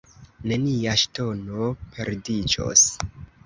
Nenia ŝtono perdiĝos.